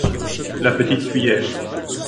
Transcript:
La petite cuillère.